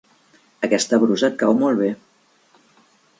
Aquesta brusa et cau molt bé.